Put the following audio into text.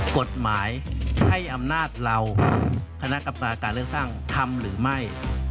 กฎหมายให้อำนาจเราคณะกรรมการการเลือกตั้งทำหรือไม่